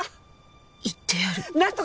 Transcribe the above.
言ってやる